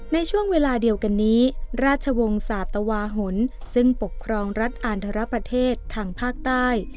ในช่วงเวลาเดียวกันนี้ราชวงศ์ศาตวาหลซึ่งปกครองรัฐอันทรประเทศทางภาคใต้